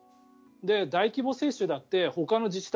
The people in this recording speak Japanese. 大規模接種だってほかの自治体